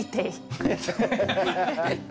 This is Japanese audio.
ハハハハハ。